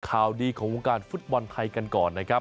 ข่าวดีของวงการฟุตบอลไทยกันก่อนนะครับ